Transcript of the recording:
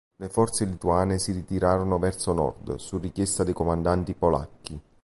Le forze lituane si ritirarono verso nord, su richiesta dei comandanti polacchi.